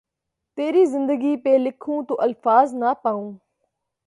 تیری زندگی پھ لکھوں تو الفاظ نہ پاؤں